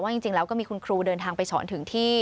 จริงแล้วก็มีคุณครูเดินทางไปสอนถึงที่